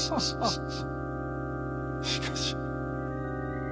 しかし。